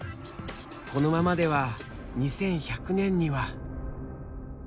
このままでは２１００年には。